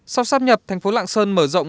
sau sắp nhập thành phố lạng sơn mở rộng